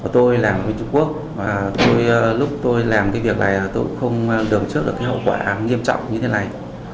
tôi làm ở trung quốc và lúc tôi làm cái việc này tôi cũng không đường trước được cái hậu quả nghiêm trọng như thế này